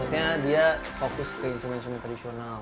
karena dia fokus ke instrumentional tradisional